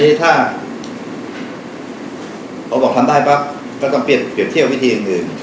แต่นี่ถ้าเค้าบอกทำได้ปุ๊บก็ต้องเปลี่ยนเที่ยววิธีอื่น